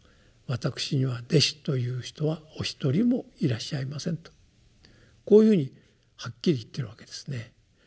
「私には弟子という人はお一人もいらっしゃいません」とこういうふうにはっきり言ってるわけですね。